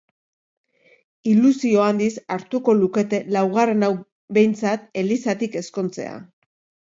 Ilusio handiz hartuko lukete laugarren hau behintzat elizatik ezkontzea.